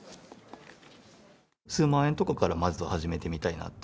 数万円とかからまずは始めてみたいなと。